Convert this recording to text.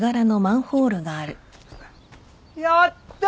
やった！